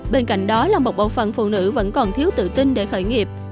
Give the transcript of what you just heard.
bên cạnh đó là một bộ phận phụ nữ vẫn còn thiếu tự tin để khởi nghiệp